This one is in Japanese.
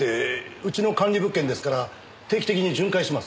うちの管理物件ですから定期的に巡回します。